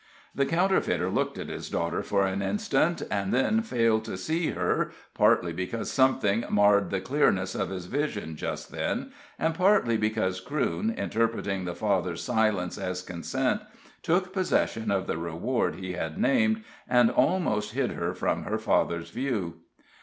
The counterfeiter looked at his daughter for an instant, and then failed to see her partly because something marred the clearness of his vision just then, and partly because Crewne, interpreting the father's silence as consent, took possession of the reward he had named, and almost hid her from her father's view.